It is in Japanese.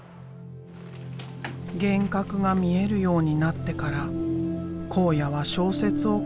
幻覚が見えるようになってから考哉は小説を書くようになった。